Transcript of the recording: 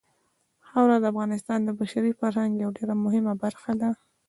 خاوره د افغانستان د بشري فرهنګ یوه ډېره مهمه برخه ده.